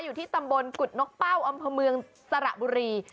อยู่ที่ตำบลกุฎนกเป้าอำเภอเมืองสระบุรี